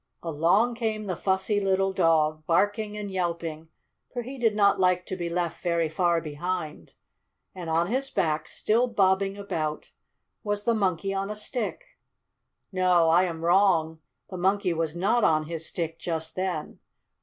Along came the fussy little dog, barking and yelping, for he did not like to be left very far behind. And on his back, still bobbing about, was the Monkey on a Stick. No, I am wrong. The Monkey was not on his Stick just then.